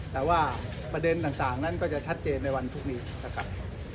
แต่ว่าประเด็นต่างนั้นก็จะชัดเจนในวันพรุ่งนี้นะครับ